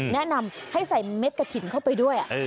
แนะนำให้ใส่เม็ดกระถิ่นเข้าไปด้วย